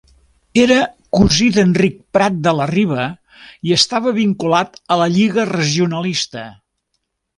Era cosí d'Enric Prat de la Riba i estava vinculat a la Lliga Regionalista.